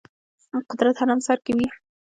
قدرت هرم سر کې وي.